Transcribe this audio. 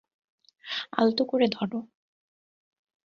আলতো করে ধরো।